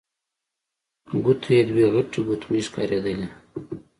ګوتو يې دوې غټې ګوتمۍ ښکارېدلې.